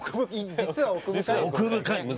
実は奥深いって。